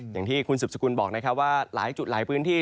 อย่างที่คุณสืบสกุลบอกนะครับว่าหลายจุดหลายพื้นที่